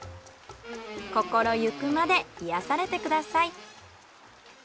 心ゆくまで癒やされてください。